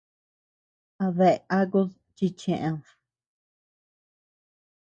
¿A dea akud chi cheʼed?